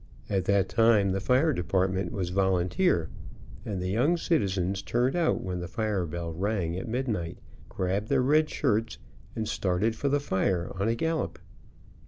At that time the fire department was volun teer, and the young citizens turned out when the fire bell rang at midnight, grabbed their red shirts and started for the fire on a gallop.